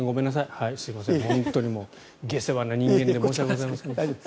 すいません、下世話な人間で申し訳ございません。